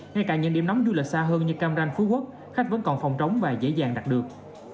ngay cả những điểm nóng du lịch xa hơn như cam ranh phú quốc khách vẫn còn phòng trống và dễ dàng đặt được